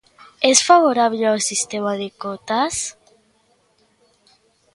Es favorable ao sistema de cotas?